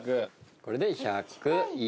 これで１０１。